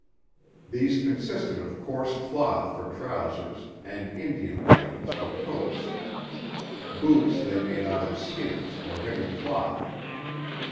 These consisted of coarse cloth for trousers and Indian blankets for coats. Boots they made out of skins or heavy cloth.